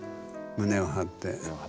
胸を張って。